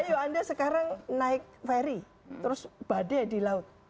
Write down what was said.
ayo anda sekarang naik ferry terus badai di laut